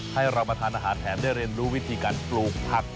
ให้เรามาทานอาหารแถมได้เรียนรู้วิธีการปลูกผัก